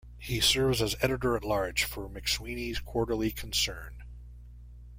He serves as editor-at-large for "McSweeney's Quarterly Concern".